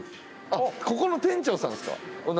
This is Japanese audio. あっここの店長さんですか。